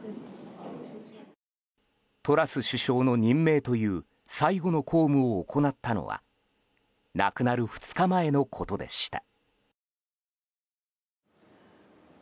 トラス首相の任命という最後の公務を行ったのは亡くなる２日前のことでした。